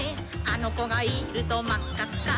「あのこがいるとまっかっか」